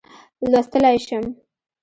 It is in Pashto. لوستلای شم.